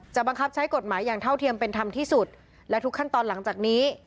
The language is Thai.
บังคับใช้กฎหมายอย่างเท่าเทียมเป็นธรรมที่สุดและทุกขั้นตอนหลังจากนี้